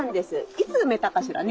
いつ埋めたかしらね？